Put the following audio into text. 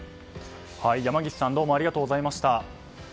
山岸さんどうもありがとうございました。